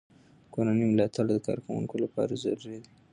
د کورنۍ ملاتړ د کارکوونکو لپاره ضروري دی.